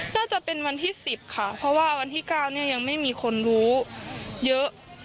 น่าจะเป็นวันที่๑๐ค่ะเพราะว่าวันที่๙เนี่ยยังไม่มีคนรู้เยอะ